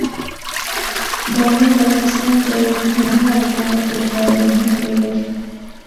بامیان د افغانستان د اوږدمهاله پایښت لپاره مهم رول لري.